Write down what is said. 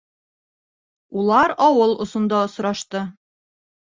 Улар ауыл осонда осрашты.